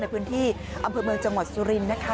ในพื้นที่อำเภอเมืองจังหวัดสุรินทร์นะคะ